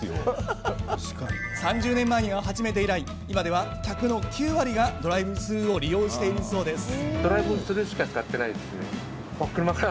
３０年前に始めて以来今では客の９割がドライブスルーを利用しているそうです。